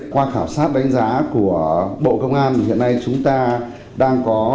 qua khảo sát đánh giá của bộ công an hiện nay chúng ta đang có